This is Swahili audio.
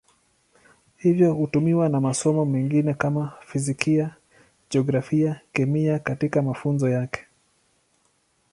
Hivyo hutumiwa na masomo mengine kama Fizikia, Jiografia, Kemia katika mafunzo yake.